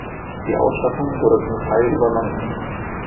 Die Ausstattung wurde zum Teil übernommen.